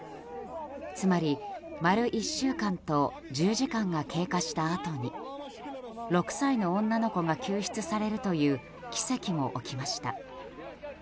つまり、丸１週間と１０時間が経過したあとに６歳の女の子が救出されるという奇跡も起きました。